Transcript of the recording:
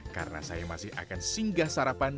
karena saya masih akan singgah sarapan